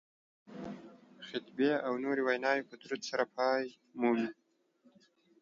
خطبې او نورې ویناوې په درود سره پای مومي